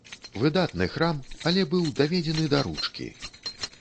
Выдатны храм, але быў даведзены да ручкі.